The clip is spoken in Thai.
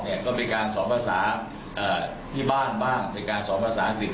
เนี่ยก็เป็นการสอบภาษาเอ่อที่บ้านบ้างเป็นการสอบภาษาอังกฤษ